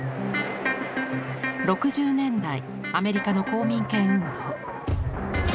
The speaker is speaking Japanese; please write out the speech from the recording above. ６０年代アメリカの公民権運動。